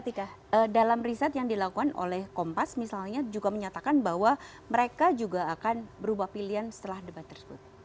ketika dalam riset yang dilakukan oleh kompas misalnya juga menyatakan bahwa mereka juga akan berubah pilihan setelah debat tersebut